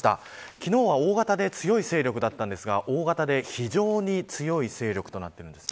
昨日は大型で強い勢力だったんですが大型で、非常に強い勢力となっているんです。